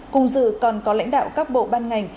cùng dự còn có lãnh đạo các bộ ban ngành